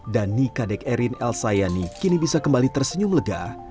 dan nikadek erin el sayani kini bisa kembali tersenyum lega